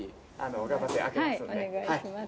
「はい。お願いします」